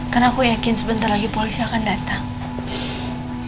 karena aku yakin sebentar lagi polisi akan datang